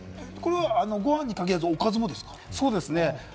ご飯に限らず、おかずもです